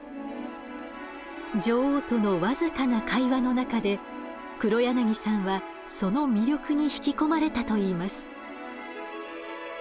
女王との僅かな会話の中で黒柳さんはその魅力に引き込まれたといいます。